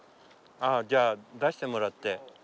じゃあ出してもらって。